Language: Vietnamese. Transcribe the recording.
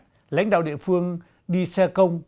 của lãnh đạo địa phương đi xe công